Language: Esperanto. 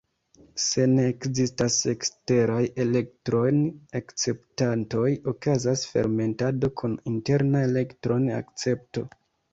Se ne ekzistas eksteraj elektron-akceptantoj, okazas fermentado kun interna elektron-akcepto.